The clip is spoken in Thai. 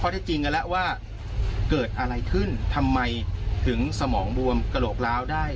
ถ้าเกิดอะไรขึ้นทำไมถึงสมองบวมกระโหลกร้าวได้